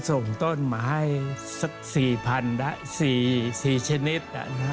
ก็ส่งต้นมาให้สัก๔ชนิด